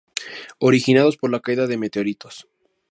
Originados por la caída de meteoritos.